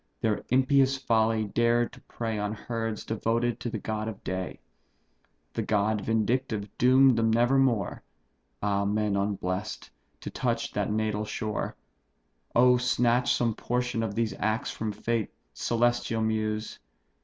their impious folly dared to prey On herds devoted to the god of day; The god vindictive doom'd them never more (Ah, men unbless'd!) to touch that natal shore. Oh, snatch some portion of these acts from fate, Celestial Muse!